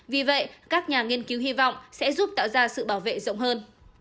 vì vậy các nhà nghiên cứu hy vọng sẽ giúp tạo ra sự bảo vệ rộng hơn